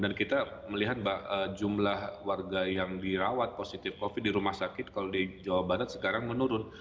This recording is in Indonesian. dan kita melihat jumlah warga yang dirawat positif covid di rumah sakit kalau di jawa barat sekarang menurun